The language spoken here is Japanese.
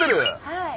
はい。